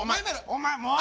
お前もう！